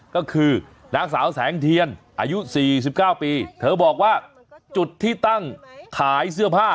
ก็คือนางสาวแสงเทียนอายุ๔๙ปีเธอบอกว่าจุดที่ตั้งขายเสื้อผ้า